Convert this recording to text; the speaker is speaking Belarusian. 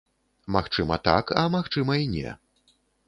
Магчыма так, а магчыма і не.